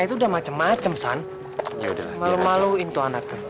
itu udah macem macem santri macem malu malu intuan aka